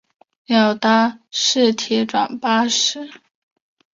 要搭市铁转巴士